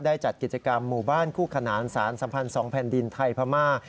จัดกิจกรรมหมู่บ้านคู่ขนานสารสัมพันธ์๒แผ่นดินไทยพม่า